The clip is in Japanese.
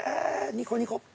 ニコニコ。